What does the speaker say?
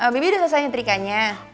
bibi udah selesai nyerikanya